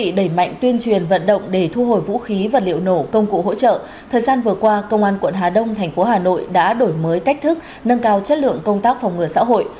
để đẩy mạnh tuyên truyền vận động để thu hồi vũ khí và liệu nổ công cụ hỗ trợ thời gian vừa qua công an quận hà đông thành phố hà nội đã đổi mới cách thức nâng cao chất lượng công tác phòng ngừa xã hội